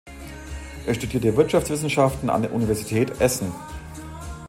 Er studierte Wirtschaftswissenschaften an der Universität Essen.